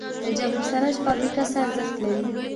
د جبل السراج فابریکه څه ارزښت لري؟